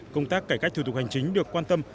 công tác cải cách thủ tục hành chính được quan tâm